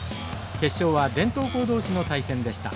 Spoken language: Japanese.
決勝は伝統校同士の対戦でした。